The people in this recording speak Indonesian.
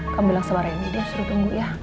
kamu bilang sama rendy dia suruh tunggu ya